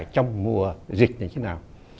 trong mùa dịch như thế nào